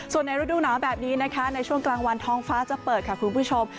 ส่วนในฤดูหนาวแบบนี้นะคะในช่วงกลางวันท้องฟ้าจะเปิดค่ะคุณผู้ชม